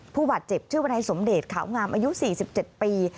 ผู้บาดเจ็บชื่อวนายสมเดชขาวงามอายุ๔๗ปี